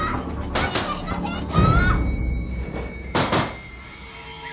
誰かいませんか！